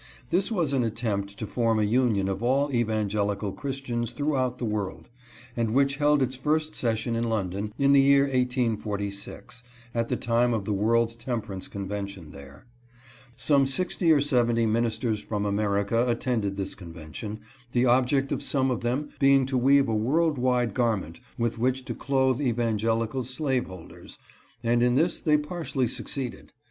This was an attempt to form a union of all Evangelical Christians throughout the world, and which held its first session in London, in the year 1846, at the time of the World's Temperance Convention there. Some sixty or seventy ministers from America attended this convention, the object of some of them being to weave a world wide garment with which to clothe evangelical slaveholders ; and in this they partially succeeded.